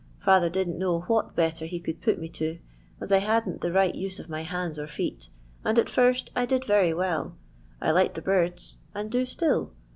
Father didn't know what better he could put me to, as I hadn't the right use of my hands or feet, and at first I did very well. I liked the birds and do still.